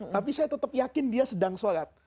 tapi saya tetap yakin dia sedang sholat